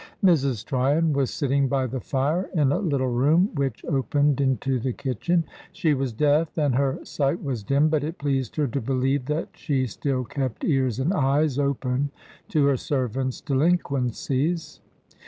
Mrs. Tryon was sitting by the fire in a little room which opened into the kitchen. She was deaf and her sight was dim, but it pleased her to believe that she still kept ears and eyes open to her servant's delinquencies.